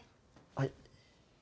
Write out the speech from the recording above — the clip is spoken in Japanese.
はい。